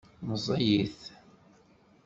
Meẓẓiyit.